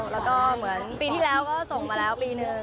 แล้วก็เหมือนปีที่แล้วก็ส่งมาแล้วปีนึง